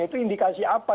itu indikasi apa